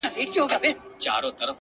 • د هر خره به ورته جوړه وي لغته -